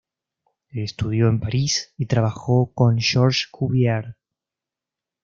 Estudió en París, y trabajó con Georges Cuvier.